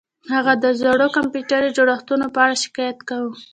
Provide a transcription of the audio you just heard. هغه د زړو کمپیوټري جوړښتونو په اړه شکایت کاوه